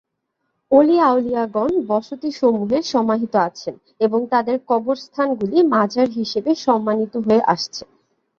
অলি-আউলিয়াগণ বসতিসমূহে সমাহিত আছেন এবং তাঁদের কবরস্থানগুলি মাযার হিসেবে সম্মানিত হয়ে আসছে।